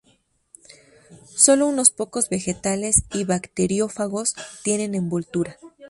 Sólo unos pocos vegetales y bacteriófagos tienen envoltura.